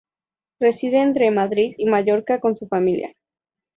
Reside entre Madrid y Mallorca con su familia.